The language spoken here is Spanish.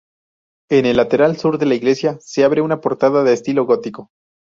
En el lateral sur de la iglesia se abre una portada de estilo gótico.